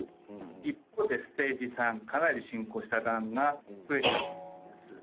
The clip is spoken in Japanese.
一方ステージ３、かなり進行したがんが増えちゃっているんです。